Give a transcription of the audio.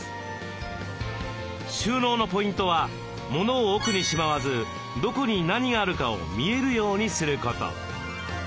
収納のポイントはモノを奥にしまわずどこに何があるかを見えるようにすること。